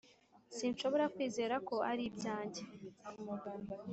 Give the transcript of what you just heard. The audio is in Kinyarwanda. sinshobora kwizera ko ari ibyanjye.